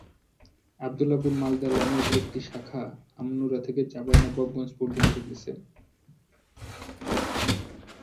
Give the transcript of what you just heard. আব্দুলপুর-মালদা লাইনের একটি শাখা আমনুরা থেকে চাঁপাইনবাবগঞ্জ পর্যন্ত গেছে।